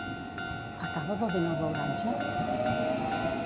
Acaba bevent el beuratge?